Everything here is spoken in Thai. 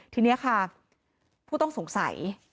ทีนี้ค่ะผู้ต้องสงสัย